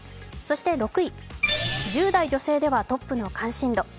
そして６位、１０代女性ではトップの関心度。